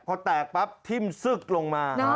พอแตกปั๊บทิ้มซึกลงมา